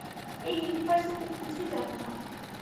এই ইউনিভার্সের তুমি কিছুই জানো না!